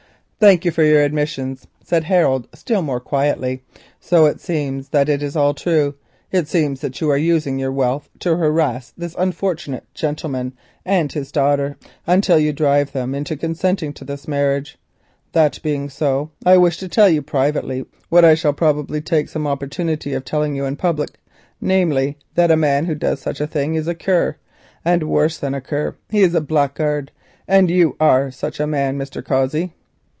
"Thank you for your admissions," said Harold, still more quietly. "So it seems that it is all true; it seems that you are using your wealth to harass this unfortunate gentleman and his daughter until you drive them into consenting to this marriage. That being so, I wish to tell you privately what I shall probably take some opportunity of telling you in public, namely, that a man who does these things is a cur, and worse than a cur, he is a blackguard, and you are such a man, Mr. Cossey."